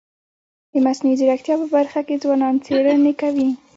د مصنوعي ځیرکتیا په برخه کي ځوانان څېړني کوي.